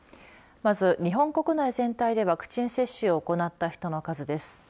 まず、日本国内全体でワクチン接種を行った人の数です。